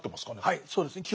はいそうですね。